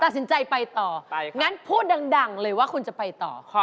ตัดสินใจไปต่อไปงั้นพูดดังเลยว่าคุณจะไปต่อ